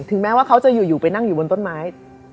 แม้ว่าเขาจะอยู่ไปนั่งอยู่บนต้นไม้